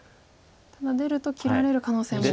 ただ出ると切られる可能性も。